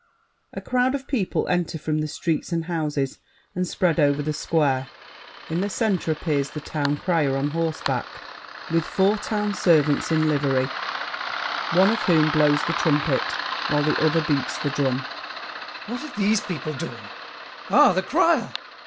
[A crowd of people enter from the streets and houses, and spread over the Square. In the center appears The Town Crier on horseback, with four Town servants in livery, one of whom blows the trumpet, while the other beats the drum. GASSÉ. What are these people doing? Ah, the crier!